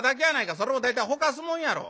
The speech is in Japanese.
それも大体ほかすもんやろ。